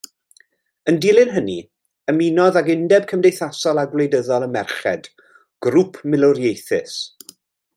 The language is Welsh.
Yn dilyn hynny, ymunodd ag Undeb Cymdeithasol a Gwleidyddol y Merched, grŵp milwriaethus.